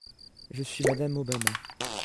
Je suis Mme Obama.